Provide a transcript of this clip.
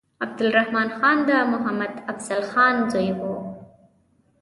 عبدالرحمن خان د محمد افضل خان زوی وو.